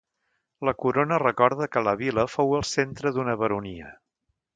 La corona recorda que la vila fou el centre d'una baronia.